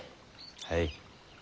はい。